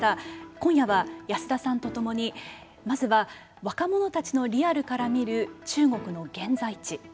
今夜は安田さんと共にまずは若者たちのリアルから見る中国の現在地。